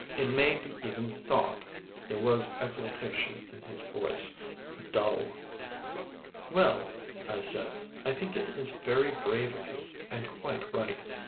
It may be even thought," there was exultation in his voice, "dull." "Well," I said, "I think it is very brave of you and quite right.